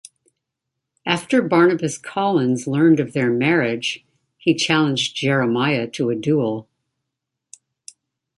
After Barnabas Collins learned of their marriage, he challenged Jeremiah to a duel.